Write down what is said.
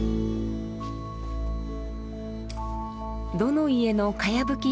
どの家のかやぶき